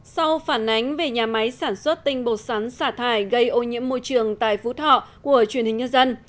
sau phản ánh về nhà máy sản xuất tinh bột sắn xả thải gây ô nhiễm môi trường tại phú thọ của truyền hình nhân dân